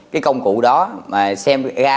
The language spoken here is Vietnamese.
cái công cụ đó mà xem ra